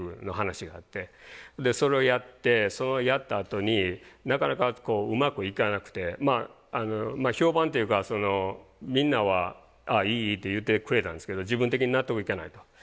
それをやってそのやったあとになかなかうまくいかなくてまあ評判というかみんなは「ああいいいい」って言ってくれたんですけど自分的に納得いかないと。